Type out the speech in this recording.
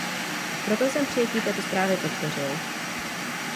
Proto jsem přijetí této zprávy podpořil.